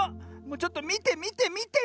ちょっとみてみてみて。